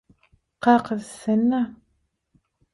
– Kakasy sen-dä.